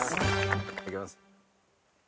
いただきます。